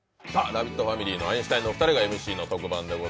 ラヴィットファミリーのアインシュタインの２人がＭＣの特番です。